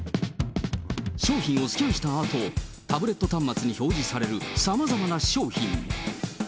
商品をスキャンしたあと、タブレット端末に表示されるさまざまな商品。